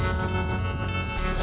memang giliran rasanya aja